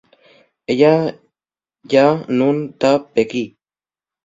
Ella yá nun ta pequí.